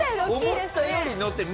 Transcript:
思ったよりのってる。